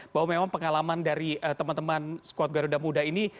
bahwa memang pengalaman dari teman teman skuad garuda muda ini